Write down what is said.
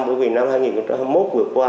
bởi vì năm hai nghìn hai mươi một vừa qua